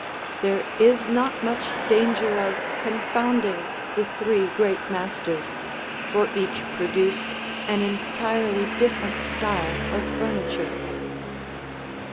There is not much danger of confounding the three great masters, for each produced an entirely different style of furniture.